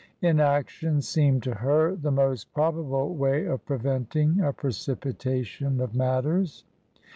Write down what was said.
Inaction seemed to her the most probable way of preventing a precipitation of matters.